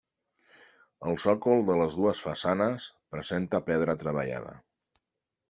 El sòcol de les dues façanes presenta pedra treballada.